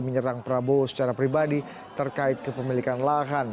menyerang prabowo secara pribadi terkait kepemilikan lahan